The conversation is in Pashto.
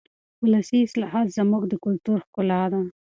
ولسي اصطلاحات زموږ د کلتور ښکلا ده.